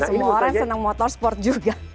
semua orang senang motorsport juga